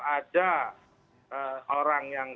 ada orang yang